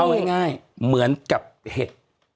เอาง่ายเหมือนกับเห็ด